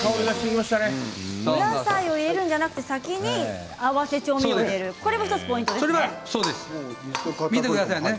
野菜を入れるのではなくて先に合わせ調味料を入れるのが１つ、ポイントですね。